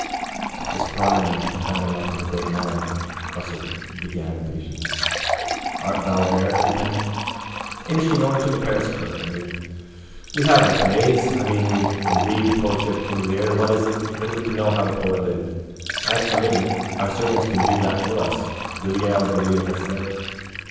—But this prying into the family life of a great man, Russell began impatiently. Art thou there, truepenny? —Interesting only to the parish clerk. I mean, we have the plays. I mean when we read the poetry of King Lear what is it to us how the poet lived? As for living our servants can do that for us, Villiers de l'Isle has said.